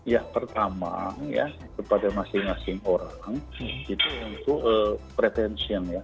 ya pertama ya kepada masing masing orang itu untuk pretension ya